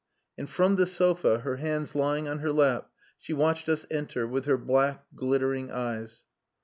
And from the sofa, her hands lying on her lap, she watched us enter, with her black, glittering eyes.